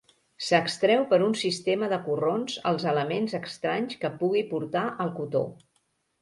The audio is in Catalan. S'extreu per un sistema de corrons els elements estranys que pugui portar el cotó.